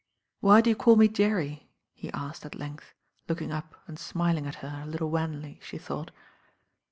"Why do you call me Jerry?" he asked at length, looking up and smiling at her a little wanly, she thought.